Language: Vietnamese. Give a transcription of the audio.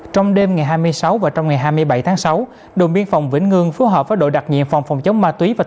trong đêm ngày hai mươi sáu và trong ngày hai mươi bảy tháng sáu đồn biên phòng vĩnh ngương phù hợp với đội đặc nhiệm